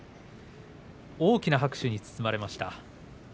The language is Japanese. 大きな拍手に包まれました。